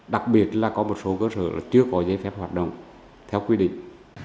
đặc biệt là có một số cơ sở chưa có giấy phép hoạt động theo quy định